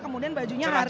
kemudian bajunya hari ini